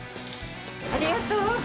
ありがとう。